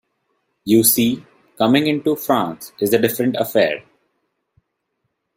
You see, coming into France is a different affair.